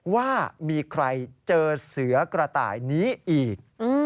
ว่ามีใครเจอเสือกระต่ายนี้อีก